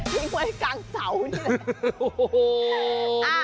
ทิ้งไว้กลางเสานี่แหละ